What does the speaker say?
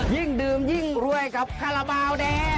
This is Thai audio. ยิ่งดื่มยิ่งรวยกับคาราบาลแดง